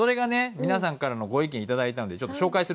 皆さんからのご意見頂いたんでちょっと紹介するね。